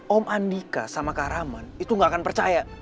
om andika sama karaman itu gak akan percaya